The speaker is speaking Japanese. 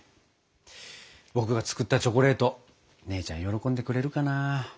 僕が作ったチョコレート姉ちゃん喜んでくれるかな。